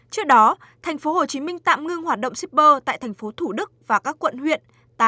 trước đó thành phố hồ chí minh tạm ngưng hoạt động shipper tại thành phố thủ đức và các quận huyện